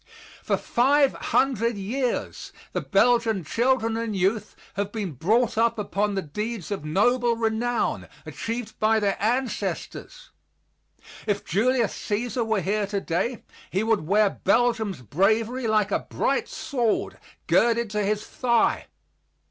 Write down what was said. For five hundred years the Belgian children and youth have been brought up upon the deeds of noble renown, achieved by their ancestors. If Julius Cæsar were here today he would wear Belgium's bravery like a bright sword, girded to his thigh.